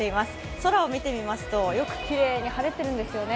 空を見てみますとよくきれいに晴れてるんですよね。